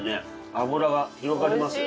脂が広がりますよ。